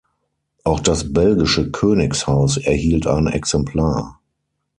Auch das belgische Königshaus erhielt ein Exemplar.